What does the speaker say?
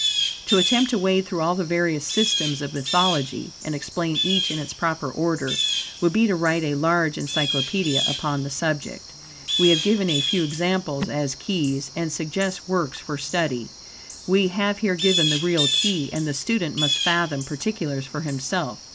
To attempt to wade through all the various systems of mythology, and explain each in its proper order, would be to write a large encyclopedia upon the subject. We have given a few examples as keys, and suggest works for study. We have here given the real key, and the student must fathom particulars for himself.